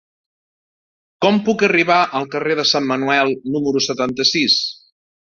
Com puc arribar al carrer de Sant Manuel número setanta-sis?